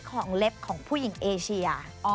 ของเล็บของผู้หญิงเอเชีย